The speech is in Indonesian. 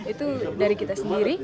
itu dari kita sendiri